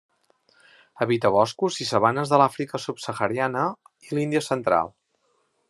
Habita boscos i sabanes de l'Àfrica subsahariana i l'Índia central.